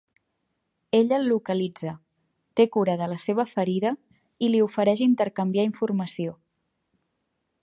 Ella el localitza, té cura de la seva ferida i li ofereix intercanviar informació.